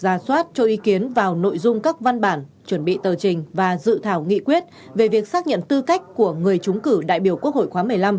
ra soát cho ý kiến vào nội dung các văn bản chuẩn bị tờ trình và dự thảo nghị quyết về việc xác nhận tư cách của người chúng cử đại biểu quốc hội khóa một mươi năm